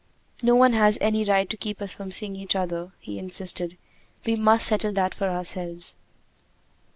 "No one has any right to keep us from seeing each other!" he insisted. "We must settle that for ourselves."